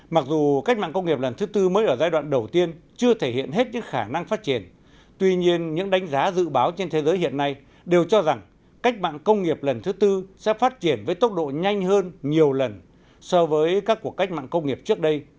mặc dù cách mạng công nghiệp lần thứ tư mới ở giai đoạn đầu tiên chưa thể hiện hết những khả năng phát triển tuy nhiên những đánh giá dự báo trên thế giới hiện nay đều cho rằng cách mạng công nghiệp lần thứ tư sẽ phát triển với tốc độ nhanh hơn nhiều lần so với các cuộc cách mạng công nghiệp trước đây